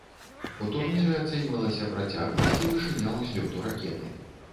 У турніры ацэньвалася працягласць і вышыня ўзлёту ракеты.